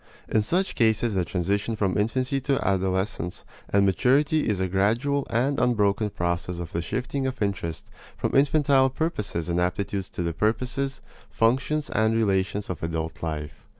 In such cases the transition from infancy to adolescence and maturity is a gradual and unbroken process of the shifting of interest from infantile purposes and aptitudes to the purposes, functions, and relations of adult life.